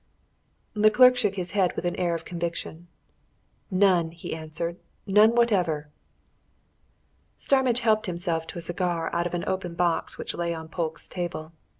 The clerk shook his head with an air of conviction. "None!" he answered. "None whatever!" Starmidge helped himself to a cigar out of an open box which lay on Polke's table.